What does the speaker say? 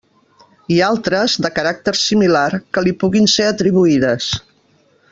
I altres, de caràcter similar, que li puguin ser atribuïdes.